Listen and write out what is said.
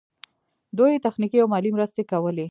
دوی تخنیکي او مالي مرستې کولې.